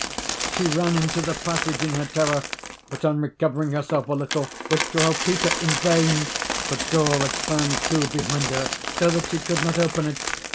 She ran into the passage in her terror, but, on recovering herself a little, wished to help Peter. In vain! the door had slammed to behind her, so that she could not open it.